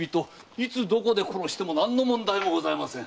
いつどこで殺しても何の問題もございません。